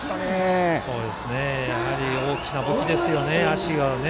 やはり大きな武器ですよね。